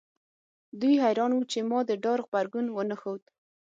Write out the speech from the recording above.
دوی حیران وو چې ما د ډار غبرګون ونه ښود